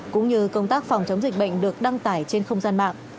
cũng như công tác phòng chống dịch bệnh được đăng tải trên không gian mạng